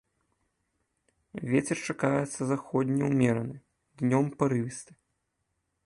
Вецер чакаецца заходні ўмераны, днём парывісты.